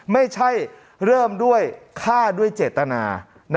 ไม่ใช่เริ่มด้วยฆ่าด้วยเจตนา